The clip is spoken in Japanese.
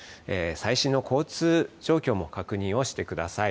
最新の交通状況も確認をしてください。